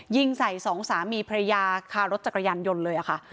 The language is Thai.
ยิงใส่สองสามีภรรยาคารถจักรยานยนต์เลยค่ะ